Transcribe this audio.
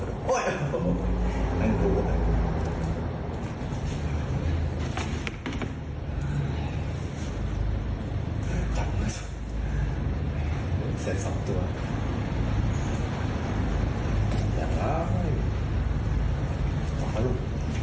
อืมไม่รู้ไม่รู้